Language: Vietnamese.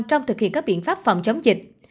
trong thực hiện các biện pháp phòng chống dịch